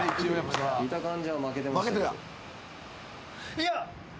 いや。